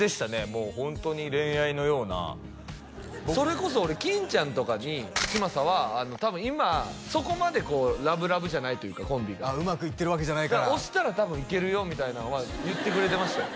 もうホントに恋愛のようなそれこそ俺金ちゃんとかに嶋佐は多分今そこまでこうラブラブじゃないというかコンビがうまくいってるわけじゃないから「押したら多分いけるよ」みたいなんは言ってくれてましたよ